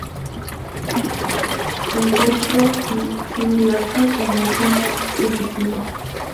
Se encuentra en Sri Lanka como una epífita.